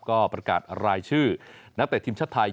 ก็ประกาศรายชื่อนักเตะทีมชาติไทย